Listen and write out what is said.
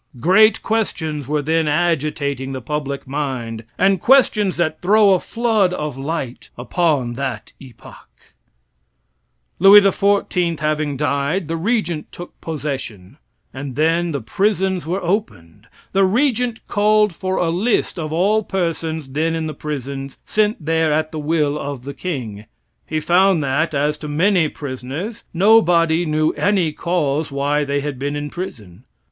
Great questions were then agitating the public mind, questions that throw a flood of light upon that epoch. Louis XIV having died, the regent took possession; and then the prisons were opened. The regent called for a list of all persons then in the prisons sent there at the will of the king. He found that, as to many prisoners, nobody knew any cause why they had been in prison.